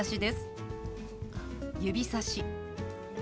「指さし」。